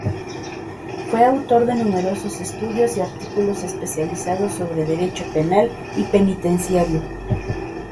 Fue autor de numerosos estudios y artículos especializados sobre derecho penal y penitenciario.